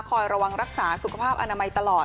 ระวังรักษาสุขภาพอนามัยตลอด